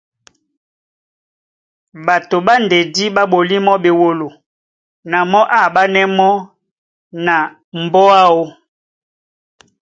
Ɓato ɓá ndedí ɓá ɓolínɔ̄ mɔ́ ɓewolo na mɔ́ á aɓánɛ́ mɔ́ na mbɔ́ áō.